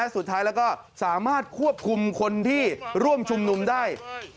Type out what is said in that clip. สุดท้ายแล้วก็สามารถควบคุมคนที่ร่วมชุมนุมได้